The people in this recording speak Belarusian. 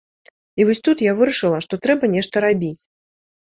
І вось тут я вырашыла, што трэба нешта рабіць.